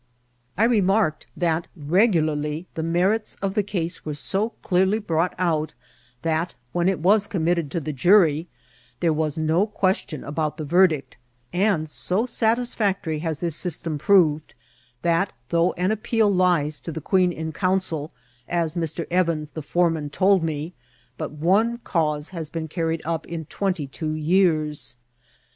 I re ▲ BIDE TO THE BARRACKS. 19 marked that regularly the merits of the case were so clearly brought out, that, when it was committed to the jury, there was no question about the verdict ; and so satisfactory has this system proved, that, thou^ an appeal lies to the Queen in Council, as Mr. Evans, the foreman, told me, but one cause has been carried up in twenty two years.